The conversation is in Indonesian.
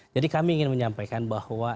jadi kami ingin menyampaikan bahwa